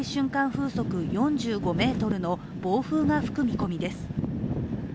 風速４５メートルの暴風が吹く見込みです。